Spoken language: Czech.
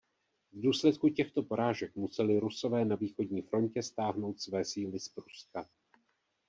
V důsledku těchto porážek museli Rusové na východní frontě stáhnout své síly z Pruska.